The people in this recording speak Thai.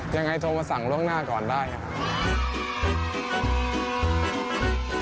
ยังไงโทรมาสั่งล่วงหน้าก่อนได้ครับ